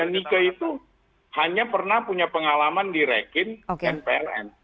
nike itu hanya pernah punya pengalaman di rekin npln